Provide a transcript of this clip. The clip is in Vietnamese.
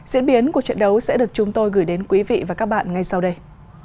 diễn biến của trận đấu sẽ được chúng tôi gửi đến quý vị và các bạn ngay sau đây